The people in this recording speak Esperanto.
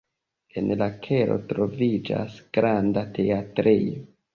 En la kelo troviĝas granda teatrejo.